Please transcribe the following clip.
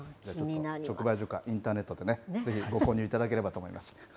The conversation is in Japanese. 直売所かインターネットでね、ぜひご購入いただければと思います。